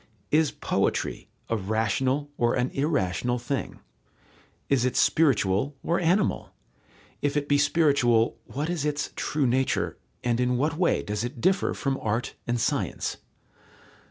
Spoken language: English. Is poetry a rational or an irrational thing? Is it spiritual or animal? If it be spiritual, what is its true nature, and in what way does it differ from art and science?